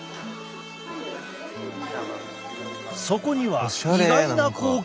そこには意外な光景が。